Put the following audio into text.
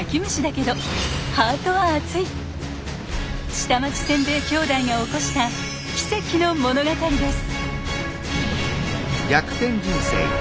下町せんべい兄弟が起こした奇跡の物語です。